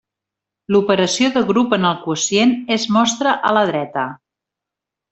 L'operació de grup en el quocient es mostra a la dreta.